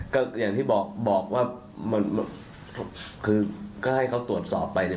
ก็อย่างที่บอกบอกว่ามันคือก็ให้เขาตรวจสอบไปเนี่ย